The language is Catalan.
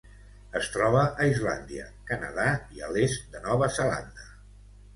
Es troba a Islàndia, Canadà i a l'est de Nova Zelanda.